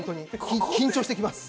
緊張してきます。